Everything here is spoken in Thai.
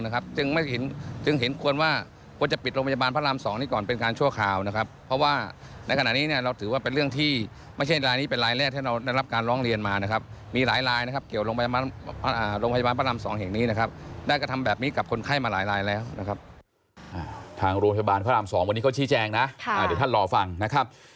ทางโรงพยาบาลพระราม๒วันนี้เขาชี้แจงนะเดี๋ยวท่านรอฟังนะครับ